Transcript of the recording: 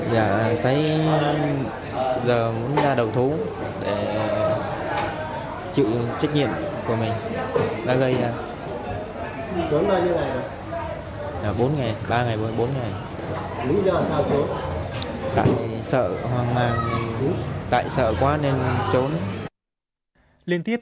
giờ cũng ra đầu thú để chịu trách nhiệm